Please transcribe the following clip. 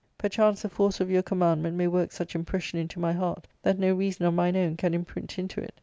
Perchance the force of your commandment may work such impression into my heart that no reason of mine own can imprint into it.